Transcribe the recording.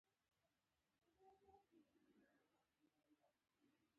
د باچا لور له نورو نجونو سره رهي شول.